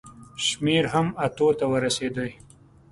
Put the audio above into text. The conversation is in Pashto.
شمېر هم اتو ته ورسېدی.